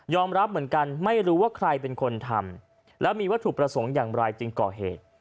รับเหมือนกันไม่รู้ว่าใครเป็นคนทำแล้วมีวัตถุประสงค์อย่างไรจึงก่อเหตุ